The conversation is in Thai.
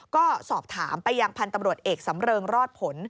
ก็สอบถามไปยังพันธุ์ตำรวจเอกสำเริงรอดผล